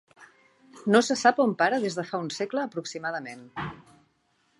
No se sap on para des de fa un segle aproximadament.